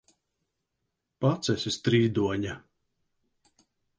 Pats esi strīdoņa!